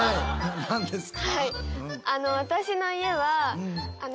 何ですか？